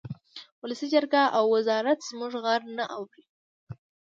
ولسي جرګه او وزارت زموږ غږ نه اوري